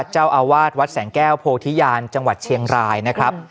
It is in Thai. เจ้าอาวาสวัดแสงแก้วโพธิญาณจังหวัดเชียงรายนะครับ